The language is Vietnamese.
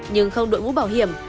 nhưng không đội ngũ bảo hiểm